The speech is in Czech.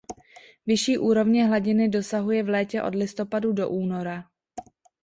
Vyšší úrovně hladiny dosahuje v létě od listopadu do února.